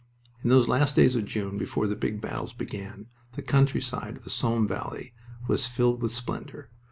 In those last days of June, before the big battles began, the countryside of the Somme valley was filled with splendor.